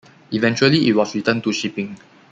Eventually it was returned to shipping.